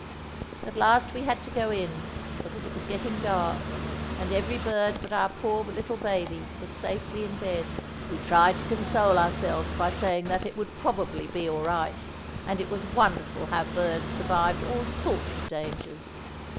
At last we had to go in, because it was getting dark, and every bird but our poor little baby was safely in bed. We tried to console ourselves by saying that it would probably be all right, and it was wonderful how birds survived all sorts of dangers.